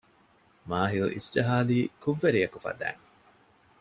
މާހިލް އިސްޖަހާލީ ކުށްވެރިއަކު ފަދައިން